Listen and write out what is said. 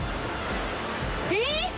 えっ？